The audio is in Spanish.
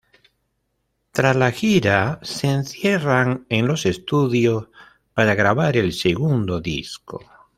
Tras la gira se encierran en los estudios para grabar el segundo disco.